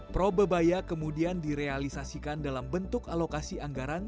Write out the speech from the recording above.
probebaya kemudian direalisasikan dalam bentuk alokasi anggaran